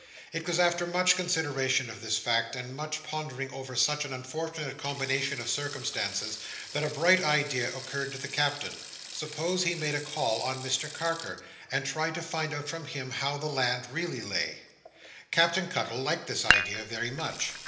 It was after much consideration of this fact, and much pondering over such an unfortunate combination of circumstances, that a bright idea occurred to the Captain. Suppose he made a call on Mr Carker, and tried to find out from him how the land really lay! Captain Cuttle liked this idea very much.